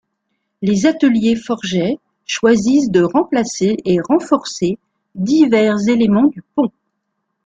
Les ateliers Forget choisissent de remplacer et renforcer divers éléments du pont.